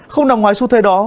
không nằm ngoài xu thế đó